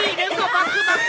バックバック！